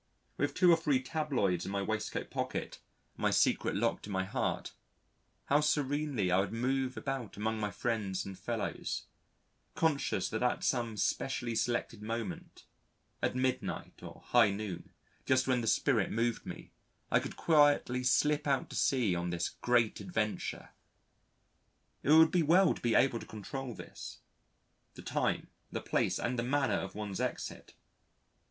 With two or three tabloids in my waistcoat pocket, and my secret locked in my heart, how serenely I would move about among my friends and fellows, conscious that at some specially selected moment at midnight or high noon just when the spirit moved me, I could quietly slip out to sea on this Great Adventure. It would be well to be able to control this: the time, the place, and the manner of one's exit.